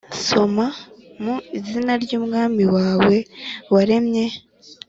soma: mu izina ry’umwami wawe waremye.